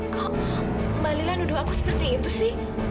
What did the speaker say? kok mbak lila nuduh aku seperti itu sih